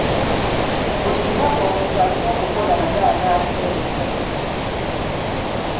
Buli lunaku omuntu alina okukola ng'anaafa enkya.